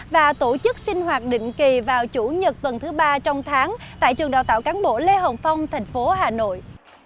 và tổ chức sinh hoạt định kỳ vào chủ nhật tuần thứ ba trong tháng tại trường đào tạo cán bộ lê hồng phong thành phố hà nội